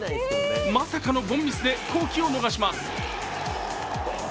まさかの凡ミスで好機を逃します。